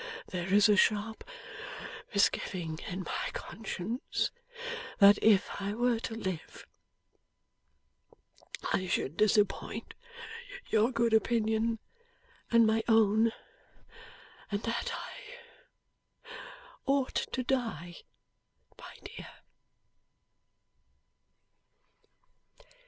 There is a sharp misgiving in my conscience that if I were to live, I should disappoint your good opinion and my own and that I ought to die, my dear!